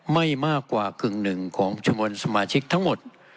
ไม่มากกว่ากึ่งหนึ่งของจำนวนสมาชิกทั้งหมด